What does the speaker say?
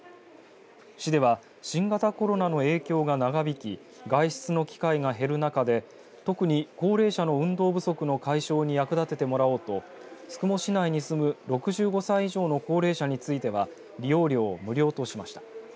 市では新型コロナの影響が長引き外出の機会が減るなかで特に高齢者の運動不足の解消に役立ててもらおうと宿毛市内に住む６５歳以上の高齢者については利用料を無料としました。